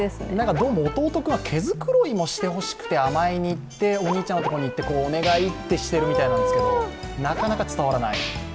どうも弟君は毛繕いもしてほしくて甘えに行ってお兄ちゃんのところに行って、お願いってしているみたいなんですけど、なかなか伝わらない。